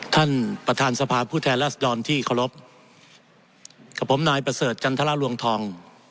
ท่านประธานสภาพผู้แทนรัศดรที่เคารพกับผมนายประเสริฐจันทรลวงทอง